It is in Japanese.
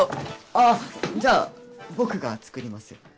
あぁじゃあ僕が作りますよ。